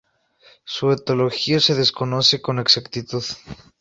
Su etiología se desconoce con exactitud.